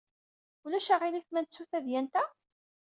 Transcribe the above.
Ulac aɣilif ma nettu tadyant-a?